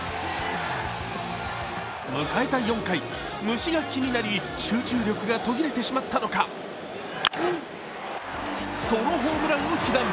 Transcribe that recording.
迎えた４回、虫が気になり集中力が途切れてしまったのか、ソロホームランを被弾。